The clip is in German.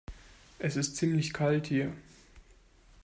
Es ist ziemlich kalt hier.